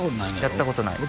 やったことないです